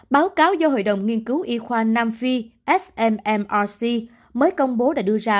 báo cáo do hội đồng nghiên cứu y khoa nam phi smrc mới công bố đã đưa ra